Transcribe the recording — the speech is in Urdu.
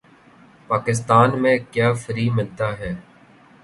پاکستان میں کیا فری ملتا ہے